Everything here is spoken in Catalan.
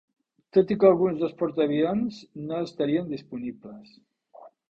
Tot i que alguns dels portaavions no estarien disponibles.